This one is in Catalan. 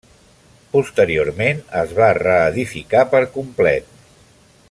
Posteriorment, es va reedificar per complet.